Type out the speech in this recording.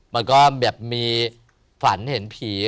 มันก็แบบมีฝันเห็นผี